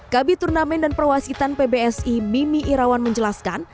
kabi turnamen dan perwasitan pbsi mimi irawan menjelaskan